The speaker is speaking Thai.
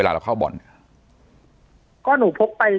ปากกับภาคภูมิ